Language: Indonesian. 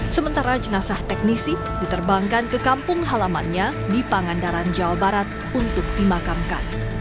sementara jenazah teknisi diterbangkan ke kampung halamannya di pangandaran jawa barat untuk dimakamkan